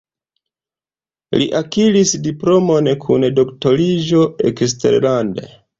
Li akiris diplomon kun doktoriĝo eksterlande.